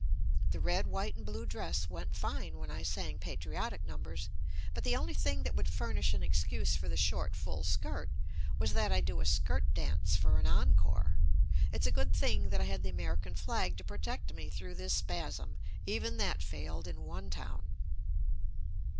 The red, white and blue dress went fine when I sang patriotic numbers, but the only thing that would furnish an ex cuse for the short full skirt was that I do a skirt dance for an encore. It's a good thing that I had the American flag to protect me through this spasm. Even that failed in one town.